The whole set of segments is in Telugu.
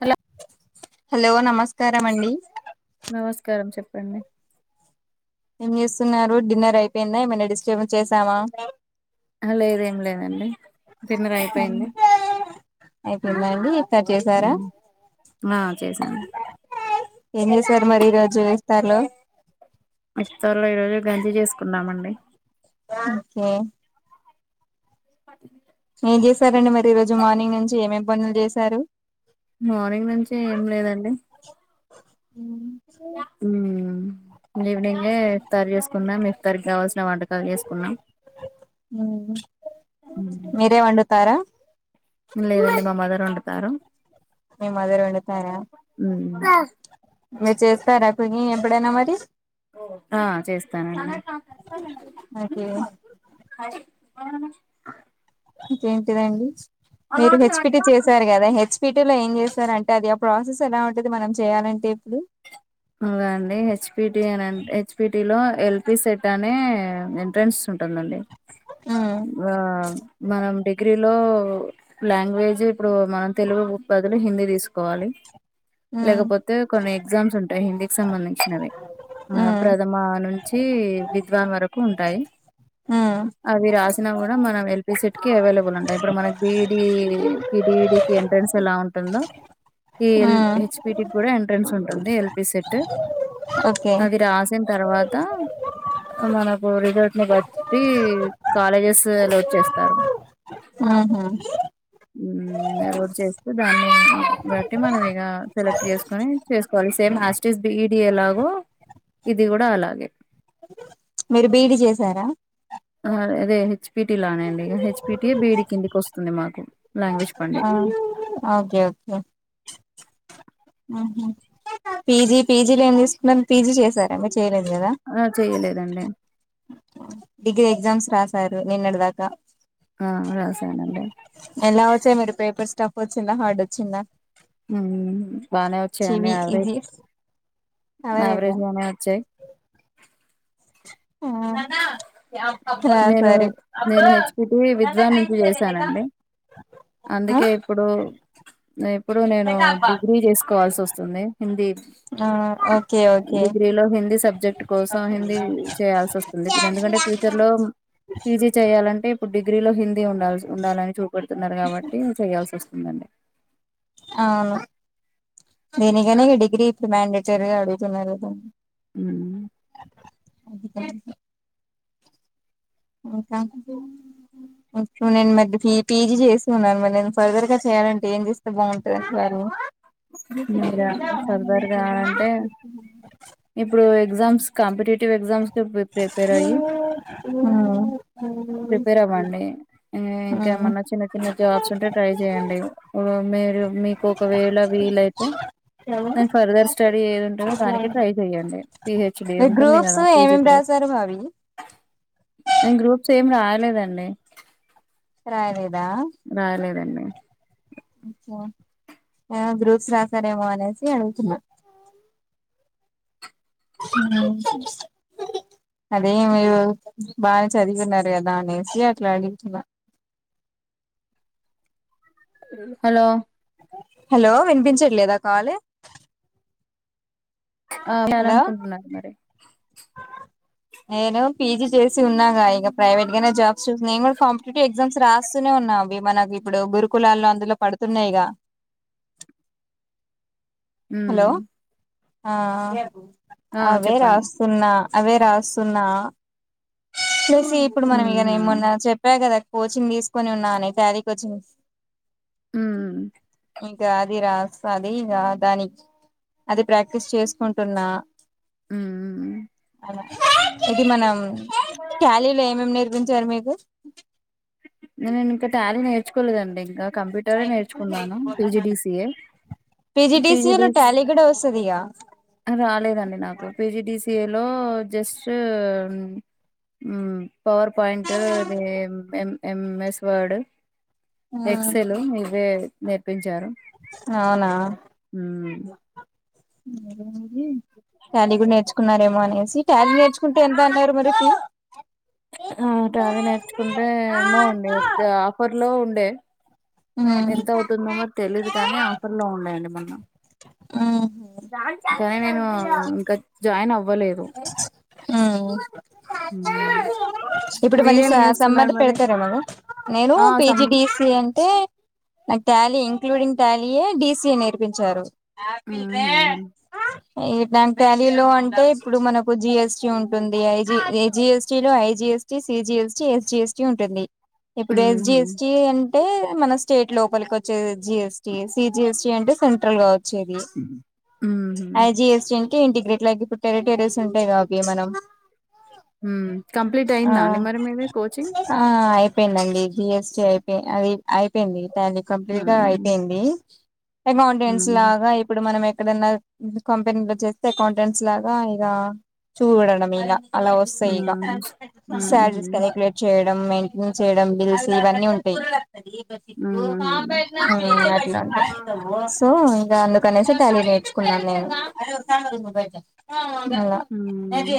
హలో హలో నమస్కారం అండి. నమస్కారం చెప్పండి. ఏం చేస్తున్నారు డిన్నర్ అయిపోయిందా ఏమన్నా డిస్ట్రబ్ చేశామా? ఆ లేదు ఏం లేదండి డిన్నర్ అయిపోయింది. [unintelligible] ఉమ్ ఆ చేశామండి ఏం చేశారు మరి ఈరోజు ఇఫ్తారు లో ఇఫ్తార్ లో ఈ రోజు గంజి చేసుకున్నామండి. ఓకే [unintelligible] ఏం చేశారండి మరి ఈ రోజు మార్నింగ్ నుంచి ఏమేం పనులు చేశారు? మార్నింగ్ నుంచి ఏం లేదండి. ఊమ్ ఈవినింగే ఇఫ్తార్ చేసుకున్నాం ఇఫ్తారు గావాల్స్ ఇగ వంటకాలు చేసుకున్నాం హూమ్ మీరే వండుతారా లేదండి మా మదర్ వండుతారు. మీ మదర్ వండుతారా? [unintelligible] మీరు చేస్తారా కొని ఎప్పుడైనా మరి? ఆ చేస్తానండి. ఓకే ఇంకేంటిదండి మీరు హెచ్పిటి చేసారు గదా హెచ్పిటీ లో ఏం చే శారు అంటే అది ఆ ప్రాసెస్ ఎలా ఉంటది మనం చేయాలంటే ఇప్పుడు. ఇంగో అండి హెచ్పిటి అనన్ హెచ్పిటి లో ఎల్పి సెట్ అనే ఎంట్రన్స్ ఉం టుందండి ఉమ్ ఆ మనం డి గ్రీలో లాంగ్వేజ్ ఇప్పుడు మనం తెలుగు బదులు హిందీ తీసుకోవాలి. ఉమ్ లేకపోతే కొన్ని ఎగ్జామ్స్ ఉంటాయి హిందీకి సంబంధించినవి ఆ ఉమ్ ప్రథమ నుం చి విద్వాన్ వరకు ఉంటాయి. ఆ అవి రాసిన గూడ మనం ఎల్పీసెట్ కి అవైలబుల్ అంటా ఇప్పుడు మనకి బిఈడి కి డిడి కి ఎంట్రన్ న్స్ ఎలా ఉంటుందోఈ ఎల్ ఉమ్ హెచ్పిటి గ్గూడ ఎంట్రెన్స్ ఉంటుంది ఎల్ పీ సెట్ ఓకే అది రాసిన తర్వాత మనకు రిజల్ట్ ని బట్టి కాలేజెస్ ఎలోట్ చేస్తారు ఊ హుమ్ హుమ్ ఎలోట్ చేస్తే దానిని బట్టి మనం ఇగా సెలెక్ట్ చేసుకొని చేసుకోవాలి సేమ్ హాస్టీస్ బి ఈ డి ఎలాగో ఇది గూడా అలాగే. మీరు బీఈడి చేసారా అదే హెచ్పిటీ లానేండి హెచ్పిటీ బీఈడి కిందికి వస్తుంది మాకు లాంగ్వేజ్ ఆ పండిట్. ఓకే ఓకే ఉమ్ హు పీజీ పీజీలో ఏం దీసుకున్నారు పీజీ చేసారా మీరు చేయలేదు గదా ఆ! చేయలేదండి. డిగ్రీ ఎగ్జామ్స్ రాశారు నిన్నటి దాకా ఆ రాసానండి పేపర్ స్టఫ్ వచ్చిందా హార్డ్ వచ్చిందా హుమ్ బానే వచ్చాయండి చివి ఈజీ యావరేజ్ అవరేజా యావరేజ్ గానే వచ్చాయి ఉమ్ నేను నేను హెచ్పిటి విద్వాన్ నుంచి చేశానండి ఆ అందుకే ఇప్పుడు ఇప్పుడు నేను డిగ్రీ జేసుకోవాల్సి వస్తుంది హిందీ ఆ ఓకే ఓకే డిగ్రీ లో హిందీ సబ్జెక్ట్ కోసం హిందీ చేయాల్సి వస్తుంది ఎందుకంటే ఫ్యూచర్ లో పీజీ చేయాలంటే ఇప్పుడు డిగ్రీ డిగ్రీలో హిందీ ఉండాల్సి ఉండాలని చూపెడుతున్నారు కాబట్టి చేయాల్సి వస్తుందండి అవును దీనికనే డిగ్రీ ఇప్పుడు మండేటరీగా అడుగుతున్నారు కదండి ఉమ్ అదిిక [inaudible] ఇంకా నేను మధ్య పీజీ చేసి ఉన్నాను నేను ఫర్దర్ గా అంటే ఏం జేస్తే బాగుంట దంటారు మీరా ఫర్దర్ గా అంటే ఇప్పుడు ఎగ్జామ్స్ కాంపిటేటివ్ ఎగ్జామ్స్ కి ప్రిపేర్ ఏ అయ్యి [unintelligible] ప్రిపేర్ అవ్వండి ఇంకా ఏమన్నా చిన్న చిన్న జాబ్స్ ఉంటే ట్రై చేయండి మీరు మీకు ఒకవేళ వీలైతే దేన్ ఫర్దర్ స్టడీ ఏది ఉంటుందో దానికి ట్రై చెయ్యండి పిహెచ్డీ మీ ఉంటుంది గ్రూప్స్ గదా పీజీ ఏమేమి తర్వాత [inaudible] నేన్ గ్రూప్స్ ఏం రాయలేదండి రాయలేదు రాయలేదండి గ్రూప్స్ రాసారేమో అనేసి అడుగుతున్నా [unintelligible] అదే మీరు బాగా చదివున్నారు గదా అనేసి అట్లా అడుగుతున్నా [inaudible] హలో హలో వినిపించట్లేదా కాలు ఆ చాల [unintelligible] అనుకుంటున్నారు మరి [inaudible] నేను పీజీ జేసి ఉన్నాగా ఇగ ప్రైవేట్ గానే జాబ్స్ చూసి నేను గూడా కాంపిటేటివ్ ఎగ్జామ్స్ రాస్తూనే ఉన్నా అవి మనకి ఇప్పుడు గురుకులాల్లో అందులో పడుతున్నాయిగా హలో ఉమ్ ఆ ఆ అవే చెప్పండి రాస్తున్నా అవే రాస్తున్నా ప్సి ఇప్పుడు మనం ఇగనే ఉమ్ మొన్నా చెప్పా గదా కోచింగ్ దీసుకొని ఉన్నా అని తారీ కోచింగ్స్ ఉమ్ ఇంకా అది రాస్త అది ఇంకా దానికి అది ప్రాక్టీస్ చేసుకుంటున్నా ఉమ్ ఉమ్ ఇది మనం ట్యాలీలో ఏమేమి నేర్పించారు మీకు [inaudible] నీనికా టాలీ నేర్చుకోలేదండి ఇంకా కంప్యూటరే నేర్చుకున్నాను. పిజిడిసిఏ పీజిడసిఏలో టాలీ కూడా వసది ఇగా కా రాలేదండి నాకు పీజిడిస్ ఏలో జస్ట్ హు పావర్ పాయింటుంది. M M S Word Excel ఇవే నేర్పించారు. అవునా ఉమ్ హుహూ ట్యాలీ కూడా నేర్చుకున్నారేమో అనేసి ట్యాలీ నేర్చుకుంటే ఎంత అన్నారు మరి ఫీ ఆ టాలీ నేర్చుకుంటే టే ఉమ్ ఎంత ఉమ్ అవుతుందో మరి తెలీదు కానీ ఆఫర్ లో ఉన్నాయండి. మళ్ళా కానీ నేను ఇంకా జాయిన్ అవ్వలేదు. ఉమ్ హుమ్ ఇప్పుడు మళ్ళీ సా సమ్మధ పెడతార మరి నేను ఆ సం పిజిడిసి అంటే నాక్ ట్యాలీ, ఇంక్లూడింగ్ ట్యాలీయే డీసీయే నేర్పించారు. ఆపిల్ రే ఊహూ ఇట్లాంటి అల్లిలో అంటే ఇప్పుడు మనకు జిఎస్టీ ఉంటుంది. ఐజి ఎస్టి లో IGST C CGST SGST ఉంటుంది. ఇప్పుడు ఎస్ ఊహూ జిఎస్టి ఎన్ టే మన స్టేట్ లోపలికి వచ్చే జిఎస్టి సి జిఎస్టి అంటే సెంట్రల్ గావ్ చేది ఊహూ ఐజి ఎస్టేన్ కి ఇంటిగ్రేట్ లైక్ ఇప్పుడు టెరిటేరియర్స్ ఉంటాయి. అవి మనం హు కంప్లీట్ ఆ అయిందాండి. మరి మీది కోచింగ్ పెందండి. జిఎస్టీ అయిపేయ్ అది అయిపోయింది. తాది కంప్లీట్ గా మ్మ్ అయిపోయింది. ఏ మౌంటెన్స్ మ్మ్ లాగా ఇప్పుడు మనం ఏక్ ఎక్కడన్నా కంపెనీ లో చేస్తే కౌంటెంట్స్ లాగా ఇలా చూడడం ఇలా అలా వసాయ్ ఇగా మ్మ్ ఊహూ శాలరీస్గా కాలిక్యులేట్ చేయడ్ మెంటెన్స్ చేయడం బిల్స్ ఇవన్నీ ఉంటాయ్. హు ఊహూ అట్లా సో ఇగా అడ్ కానేసే టాలీ నేర్చుకున్నాను. నేను మళ్ళా మ్మ్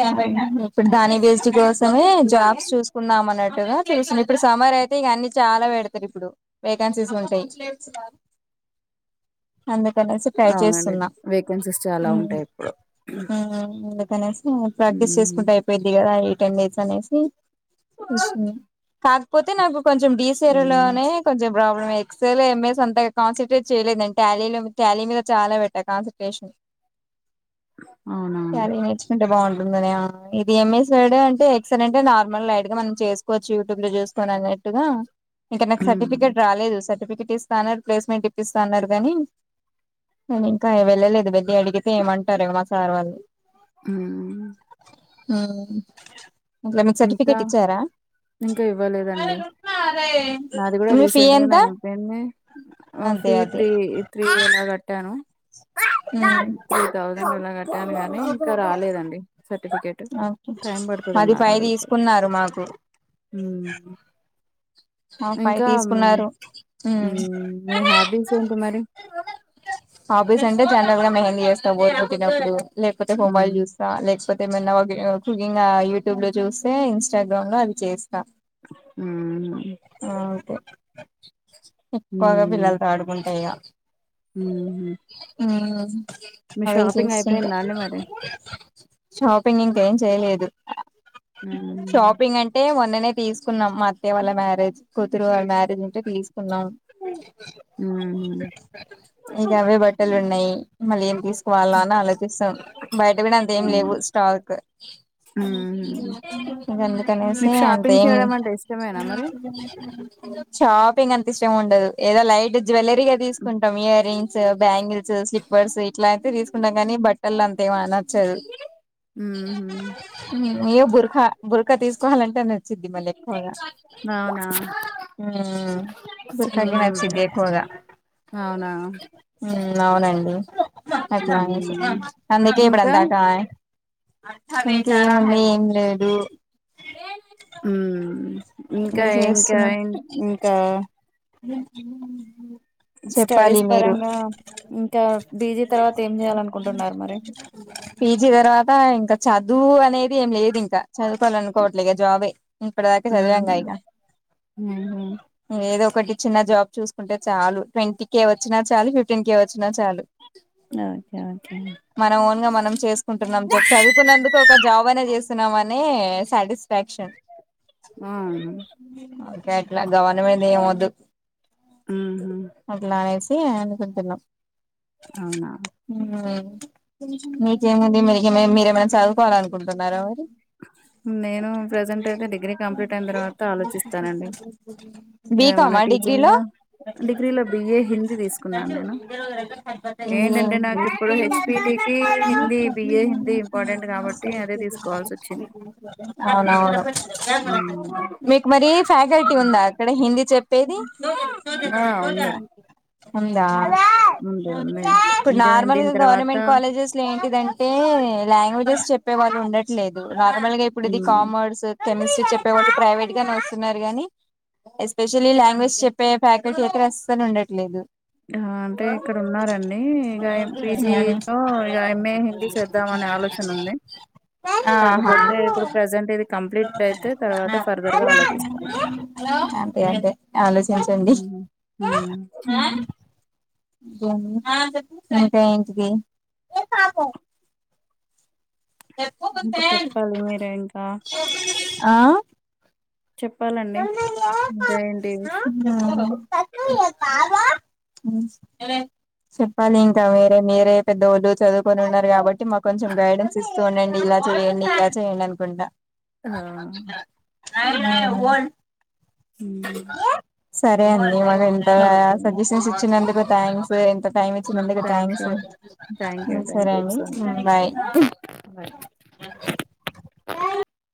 ఇప్పుడు దాని జిస్ట్ కోస్ తుమే జాబ్స్ చూసుకున్నాం అన్నట్టుగా తీసున్న ఇప్పుడు సమర్ అయితే ఇగా అన్ని చాలా పెడతారు ఇప్పుడువెక్ కెన్సిస్ ఉంటాయ్. అందుక్ కనేసి ట్రై అవునండి చేసున్నా వేకెన్సీస్ చాలా ఉంటాయి ఇప్పుడు కానేసి ప్రాక్టీస్ మ్మ్ చేసుకుంటే అయిపోయిద్ది కదా ఏ టైమైతే అనేసి కాకపోతే నాకు కొంచెం మ్మ్ డీసేరెలోనే కొంచెం ప్రాబ్లం ఎక్సల్ ఎంఎస్ అంతా కాన్సన్ంట్రేట్ చేయలేద్ నీన్ ట్యాలీలో క్యా లీ మీద చాలా పెట్ట కాన్సన్ంట్రేషన్ అవునా క్యాలీ నేర్చుకుంటే బావుంటుందనే ఇది ఎమ్ఎస్ రైడన్ అంటే ఎక్సరెంటే నార్మల్ లైట్ గా మనం చేసుకోవచ్చు యూట్యూబ్ చూసుకొని అన్నట్టుగా ఇంకా నాకు హ్మ్ సర్టిఫికెట్ రాలేదు. సర్టిఫికెట్ ఇస్తన్నారు ప్లేస్మెంట్ ఇపిస్తాన్ అనర్గాన్ని నేను ఇంకా వెళ్ళలేదు. వేది అడిగితే ఏమంటారో మా సార్ వాళ్ళు హుహ్ హుహ్ దాన్కి ఇంకా సర్టిఫికేట్ ఇచ్చారా ఇంకా ఇవ్వలేదండి. నాది కూడా మీ ఫీ రీసెంట్ గా ఎంత నే అయిపోయింది. అదే ఆఫే అదే త్రీ త్రీ ఎలా కట్టాను ఉమ్ టూ థౌజండ్ అలా కట్టాను. గానీ ఇంకా రాలేదండి సర్టిఫికేట్ ఓకే టైం పది పడుతదన్నారు పై తీసుకున్నారు మాకు హుహ్ ఆ ఫైవ్ ఇంకాం హు తీసుకున్నారు ఉమ్ మీ హ్యాబిస్ ఏంటి మరి హాబీస్ అంటే జనారల్గా కూడా మెహందీ యేస్తా బోర్ కొట్టినప్పుడు లేకపోతే మొబైల్ హ్మ్ చూస్తా లేకపోతే మెల్లవోగి కుగిగ్ యూట్యూబ్ లో చూస్తే ఇన్స్టాగ్రామ్ లో అవి చేస్త హ్మ్ ఓకే ఎక్కువగా హ్మ్ పిల్లలతో ఆడుకుంటా ఇగ హ్మ్ ఉ మీ అవి షాపింగ్ చూస్తుంట అయిపోయిందా అండి మరి షాపింగ్ ఇంకా ఏం చేయలేదు హ్మ్ షాపింగ్ అంటే వన్ననే తీసుకున్నాం మత్త్య వాళ్ళ మ్యారేజ్ కూతురు వాళ్ళ మ్యారేజ్ ఉంటే తీసుకు సన్నాం హ్మ్ ఇగా అవే బట్టలు ఉన్నాయి. మళ్ళా ఏం తీసుకోవాల్నా అని ఆలోచిస్తాం బయట కూడా అంతేం హ్మ్ లేవు స్టా హ్మ్ [unintelligible] ఇకందుకనేసి మీకు షాపింగ్ అంతేం చేయడం అంటే ఇష్టమేనా మరి షాపింగ్ అంత ఇష్టం ఉండదు ఏదో లైట్ జ్యువెలరీ గా తీసుకుంటాం ఇయర్ రంగ్స్ బ్యాంగిల్ స్లిప్పర్స్ ఇట్లా అయితే తీసుకుంటాం కానీ బట్టలు అంతా ఏమ నచ్చదు ఇ ఉహు క ఏయ్యో బురకా బురకా తీసుకోవాలంటే నచ్చింది మళ్ళీ ఎక్కువగా అవునా హ బుర్కా అంటే ఉమ్ నచింది ఎక్కువగా అవునా అవునండి అట్లా అందుకే ఉమ్ ఇప్పుడ ఇంకా అంతాకా ఇంకేం అంటే ఎం లేదు హ్మ్ ఇంకా ఇ ఇంకా చేస్తున్నాం ఇంకా చెప్పాలి స్టడీస్ మీరు పరంగా ఇంకా బీజీ తర్వాత ఏం చేయాల అనుకుంటున్నారు మరి పీజీ తర్వాత ఇంకా చదు దువు అనేది ఏం లేదు ఇంకా చదువుకోవాలి అనుకోవట్లేగా జాబే పాటు చదివాము గా ఇగ ఉహు ఏదో ఒకటి చిన్న జాబ్ చూసుకుంటే చాలు ట్వంటీ కే వచ్చినా చాలు ఫిఫ్టీన్ కే వచ్చినా చాలు ఓకే ఓకే మనం ఓన్ గా మనం చేసుకుంటున్నాం జబ్ చదువుకున్నందుకు ఒక జాబ్ అయినా చేస్తున్నాం అని సాటిస్ఫాక్షన్ ఆ ఎట్లా గవర్నమెంట్ ఏమద్దు ఉహు అట్లానే అనుకుంటన్నాం అవునా మీకేముంది మీరిక ఏమ మీరేమైనా చదువుకోవాలం నేను ప్రజెంట్ అయితే డిగ్రీ కంప్లీట్ అయిన తర్వాత ఆలోచిస్తానండి ఇమనా బీకామా టీచింగ్ డిగ్రీలో డిగ్రీలో బిఏ హిందీ తీసుకున్నాను నేను ఏంటంటే నాకు ఇప్పుడు హెచ్పిటి కి హిందీ బిఏ హిందీ ఇంపార్టెంట్ కాబట్టి అదే తీసుకు అవునవును ఉమ్, మీకు మరి ఫ్యాకల్టీ ఉందా అక్కడ హింద అంది చెప్పేది ఆ ఉంది ఉందా ఉంది ఉంది ఇప్పుడు ఇంకా నార్మల్ దీని గా తర్వాత గవర్నమెంట్ కాలేజెస్ లో ఏంటిదండి అంటే లాంగ్వేజెస్ చెప్పే వాళ్ళు ఉండట్లేదు నార్మల్ గా ఇప్పుడు ఇది ఉమ్, కామర్స్ సెమిస్టర్ చెప్పే వాటి ప్రైవేట్ గా న వస్తున్నారు గాని ఎస్పెషల్లీ లాంగ్వేజ్ చెప్పే ఫ్యాకల్టీ ఒకటి అసలు ఉండట్లేదు అంటే ఇక్కడ ఉన్నారండి ఇక పీజి త ఇక ఎంఏ హిందీ చేద్దామ అనే ఆలోచన ఉంది ఆహా కాకపోతే ఇప్పుడు ప్రజెంట్ ఇది కంప్లీట్ అయితే తర్వాత ఫర్దర్ గా ఆలోచిస్తాం అంతే అంటే ఆలోచించండి హ్మ్ [unintelligible] [unintelligible] ఇకా చెప్పాలి మీరే ఇంకా ఆ చెప్పాలండి ఇంకా ఏంటి విష్ బగా చెప్పాలి ఇంకా మిరే మీరే పెద్దవాళ్ళు చదువుకొని ఉన్నారు కాబట్టి అంటే మాకు కొంచెం గైడెన్స్ ఇస్తూ ఉండండి ఇలా చేయండి ఇట్లా చేయండి అనుకుంటా ఆ అల్ అ సరే అండి మాకు ఇంతగా సజెషన్స్ ఇచ్చినందుకు థ్యాంక్స్ ఎంత టైం ఇచ్చినందుకు thank thanks you thank you thank సరే యూ ఇట్స్ అండి బాయ్ ఓకే [inaudible]